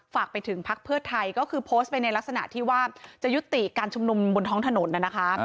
ฝากไปถึงพักเพื่อไทยก็คือโพสต์ไปในลักษณะที่ว่าจะยุติการชุมนุมบนท้องถนนนะคะ